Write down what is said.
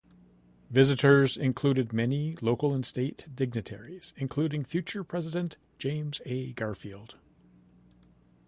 Visitors included many local and state dignitaries, including future President James A. Garfield.